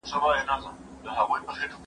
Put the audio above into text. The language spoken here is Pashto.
کمپيوټر مريض ثبتوي.